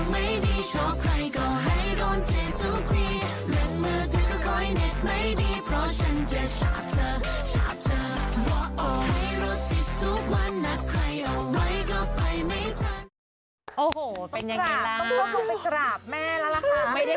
ไม่โดนเธอทุกทีเล็กมือเธอก็คอยเล็กไม่ดี